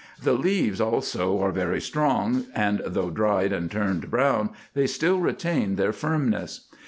The leaves, also, are very strong, and though dried and turned brown, they still retain their firmness.